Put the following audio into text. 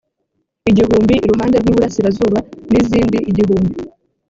igihumbi iruhande rw iburasirazuba n izindi igihumbi